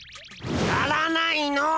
やらないの？